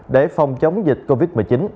để phòng chống dịch covid một mươi chín